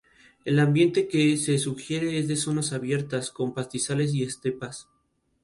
El canal queda dentro del parque nacional Alberto de Agostini.